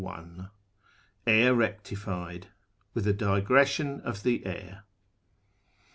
III. Air rectified. With a digression of the Air.